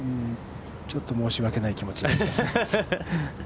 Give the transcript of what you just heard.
ちょっと申し訳ない気持ちになります。